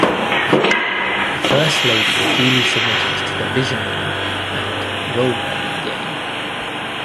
The First Lady duly submitted to the "visioning" and "role-playing" game.